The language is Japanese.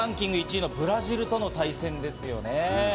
１位のブラジルとの対戦ですよね。